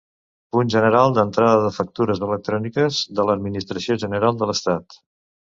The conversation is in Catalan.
Punt general d'entrada de factures electròniques de l'Administració general de l'Estat.